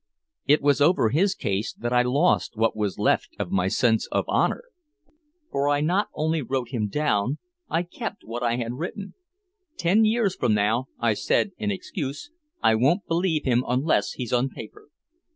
It was over his case that I lost what was left of my sense of honor. For I not only wrote him down, I kept what I had written. "Ten years from now," I said in excuse, "I won't believe him unless he's on paper."